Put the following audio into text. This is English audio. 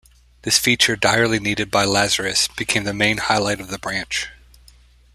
This feature, direly needed by Lazarus, became the main highlight of the branch.